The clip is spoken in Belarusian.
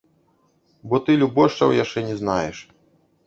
Бо ты любошчаў яшчэ не знаеш.